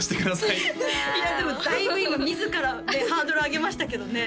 いやでもだいぶ今自らハードル上げましたけどね